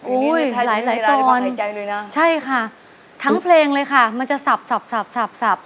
หลายตอนใช่ค่ะทั้งเพลงเลยค่ะมันจะสับ